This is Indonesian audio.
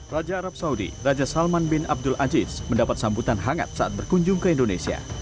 raja arab saudi raja salman bin abdul aziz mendapat sambutan hangat saat berkunjung ke indonesia